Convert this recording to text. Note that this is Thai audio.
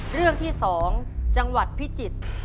เรื่องที่๒จังหวัดพิจิตร